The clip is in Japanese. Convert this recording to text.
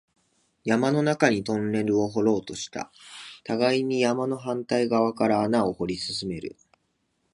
山の中にトンネルを掘ろうとした、互いに山の反対側から穴を掘り進める